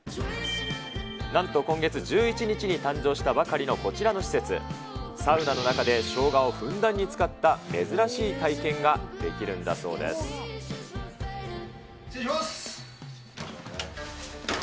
なんと今月１１日に誕生したばかりのこちらの施設、サウナの中でしょうがをふんだんに使った珍しい体験ができるんだ失礼します。